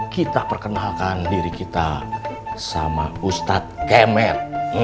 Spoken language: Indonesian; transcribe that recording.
kita perkenalkan diri kita sama ustadz kemer